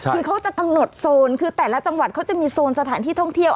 คือเขาจะกำหนดโซนคือแต่ละจังหวัดเขาจะมีโซนสถานที่ท่องเที่ยว